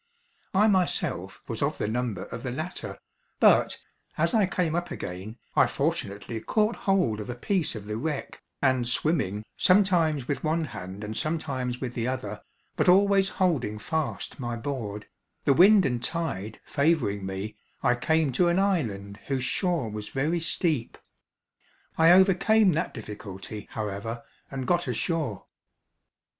I myself was of the number of the latter, but, as I came up again, I fortunately caught hold of a piece of the wreck, and swimming, sometimes with one hand and sometimes with the other, but always holding fast my board, the wind and tide favouring me, I came to an island whose shore was very steep. I overcame that difficulty, however, and got ashore.